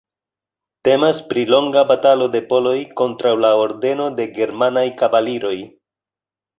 Temas pri longa batalo de poloj kontraŭ la Ordeno de germanaj kavaliroj.